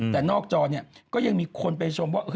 แต่นอกจอเนี่ยก็ยังมีคนไปชมว่า